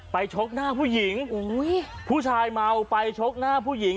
ชกหน้าผู้หญิงผู้ชายเมาไปชกหน้าผู้หญิง